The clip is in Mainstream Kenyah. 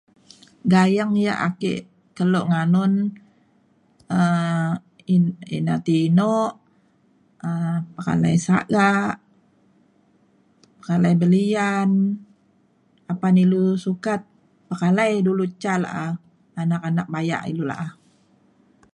gayeng ya' ake keluk nganun um ina ina ti inuk um pekalai sagak pekalai belian apan ilu sukat pekalai dulu da' ca la'a anak anak bayak ilu la'a